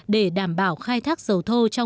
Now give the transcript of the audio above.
để đảm bảo khai thác dầu thô